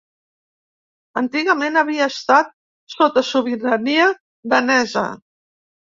Antigament havia estat sota sobirania danesa.